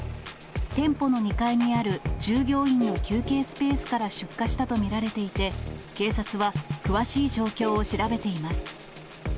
店舗の２階にある従業員の休憩スペースから出火したと見られていて、警察は、詳しい状況を調べています。